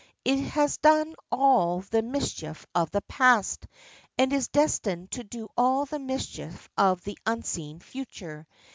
It has done all the mischief of the past, and is destined to do all the mischief of the unseen future.